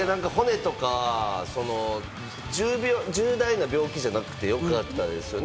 骨とか重大な病気じゃなくてよかったですね。